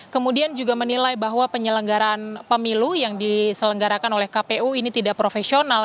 kemudian juga menilai bahwa penyelenggaraan pemilu yang diselenggarakan oleh kpu ini tidak profesional